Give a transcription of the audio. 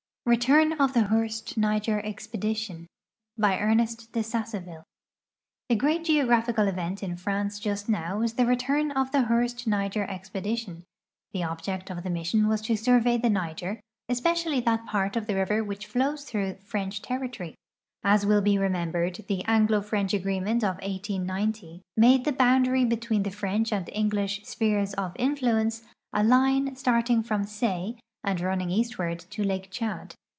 RETURN OF THE HOURST NIGER EXPEDITION The great geographical event in France just now is the return of the Hourst Niger expedition. Tiie object of the mission was to survey the Niger, especially that part of the river which flows through French ter ritory. As will be remembered, the Anglo French agreement of 1890 made the boundary between the French and English " spheres of in fluence" a line starting from Say and running eastward to lake Chad.